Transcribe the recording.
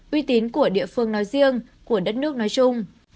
uy tín của địa phương nói riêng của đất nước nói chung